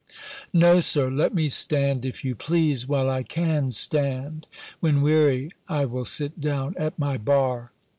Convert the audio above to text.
"No, Sir, let me stand, if you please, while I can stand; when weary I will sit down at my bar.